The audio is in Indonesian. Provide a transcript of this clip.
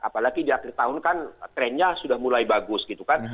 apalagi di akhir tahun kan trennya sudah mulai bagus gitu kan